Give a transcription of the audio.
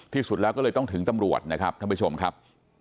ที่สุดแล้วก็เลยต้องถึงตำรวจนะครับท่านผู้ชมครับ